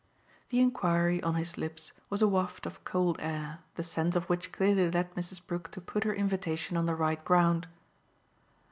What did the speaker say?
The enquiry, on his lips, was a waft of cold air, the sense of which clearly led Mrs. Brook to put her invitation on the right ground.